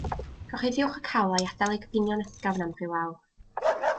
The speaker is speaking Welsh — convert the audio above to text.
Gorchuddiwch y cawl a'i adael i goginio'n ysgafn am rhyw awr.